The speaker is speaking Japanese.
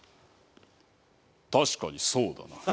確かにそうだな。